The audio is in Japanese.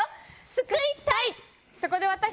救いたい！